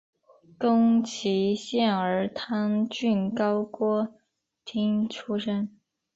宫崎县儿汤郡高锅町出身。